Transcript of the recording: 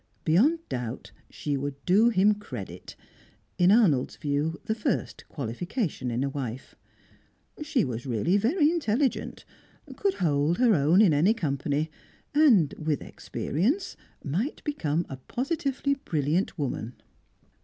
Beyond doubt, she would do him credit in Arnold's view the first qualification in a wife. She was really very intelligent, could hold her own in any company, and with experience might become a positively brilliant woman.